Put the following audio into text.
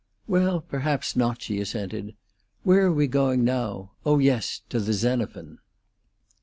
"Well, perhaps not," she assented. "Where are we going now? Oh yes, to the Xenophon!"